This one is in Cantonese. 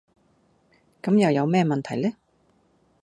咁又有咩問題呢